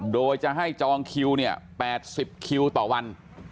โดยจะให้จองคิวเนี่ย๘๐คิวต่อวัน